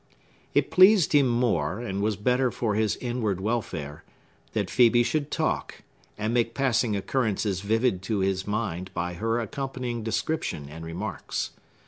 It pleased him more, and was better for his inward welfare, that Phœbe should talk, and make passing occurrences vivid to his mind by her accompanying description and remarks.